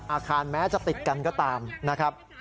อาคารแม้จะติดกันก็ตามนะครับ